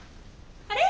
あれ？